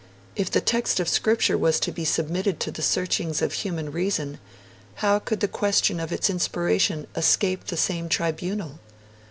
If the text of Scripture was to be submitted to the searchings of human reason, how could the question of its inspiration escape the same tribunal?